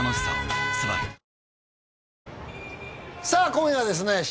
さあ今夜はですね